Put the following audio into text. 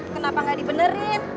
kenapa enggak dibenerin